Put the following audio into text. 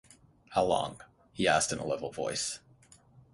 “How long?” he asked in a level voice.